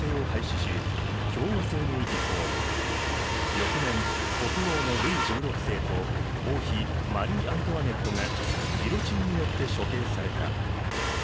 翌年国王のルイ１６世と王妃マリー・アントワネットがギロチンによって処刑された。